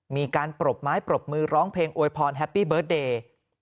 ปรบไม้ปรบมือร้องเพลงอวยพรแฮปปี้เบิร์ตเดย์